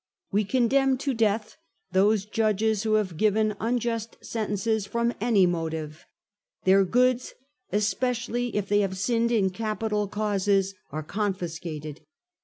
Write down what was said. We condemn to death those judges who have given unjust sentences from any motive. Their goods, especially if they have sinned in capital causes, are confiscated.